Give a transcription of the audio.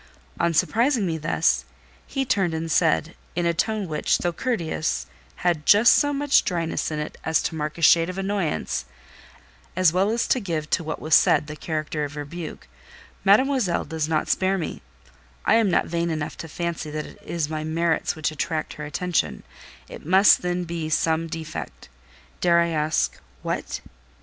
On surprising me thus, he turned and said, in a tone which, though courteous, had just so much dryness in it as to mark a shade of annoyance, as well as to give to what was said the character of rebuke, "Mademoiselle does not spare me: I am not vain enough to fancy that it is my merits which attract her attention; it must then be some defect. Dare I ask—what?"